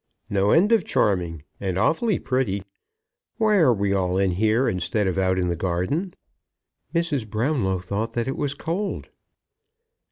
"No end of charming, and awfully pretty. Why are we all in here instead of out in the garden?" "Mrs. Brownlow thought that it was cold."